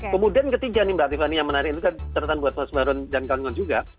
kemudian ketiga nih mbak tiffany yang menarik itu kan terseretan buat mas maron dan kalian juga